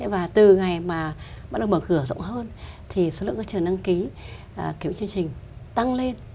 và từ ngày mà bắt đầu mở cửa rộng hơn thì số lượng các trường đăng ký kiểu chương trình tăng lên